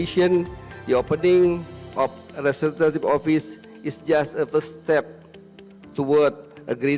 selain itu pembukaan rep office ini hanya untuk memperkenalkan